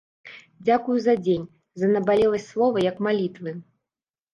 Дзякую за дзень, за набалеласць слова як малітвы.